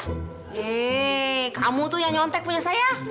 hei kamu tuh yang nyontek punya saya